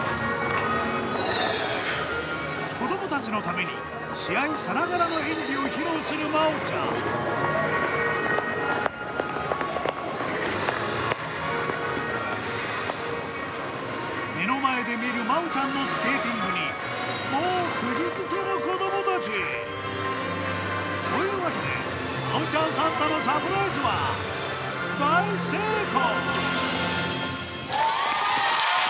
子どもたちのために試合さながらの演技を披露する真央ちゃん目の前で見る真央ちゃんのスケーティングにもうくぎづけの子どもたち！というわけで真央ちゃんサンタのサプライズは大成功！